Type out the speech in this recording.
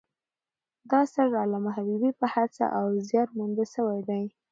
دا اثر د علامه حبیبي په هڅه او زیار مونده سوی دﺉ.